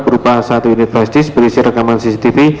berupa satu unit prestis berisi rekaman cctv